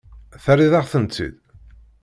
Terriḍ-aɣ-tent-id?